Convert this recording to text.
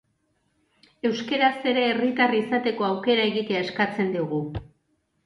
Euskaraz ere herritar izateko aukera egitea eskatzen digu.